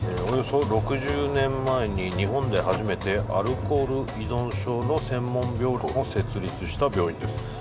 およそ６０年前に日本で初めてアルコール依存症の専門病棟を設立した病院です。